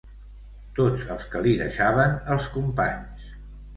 Tots els que li deixaven els companys